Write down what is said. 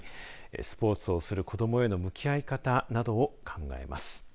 スポーツをする子どもへの向き合い方などを考えます。